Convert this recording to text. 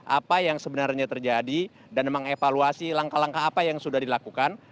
apa yang sebenarnya terjadi dan mengevaluasi langkah langkah apa yang sudah dilakukan